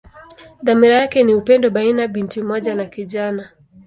Dhamira yake ni upendo baina binti mmoja na kijana.